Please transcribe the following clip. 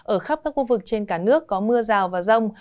ở khắp các khu vực trên cả nước có mưa rào và rông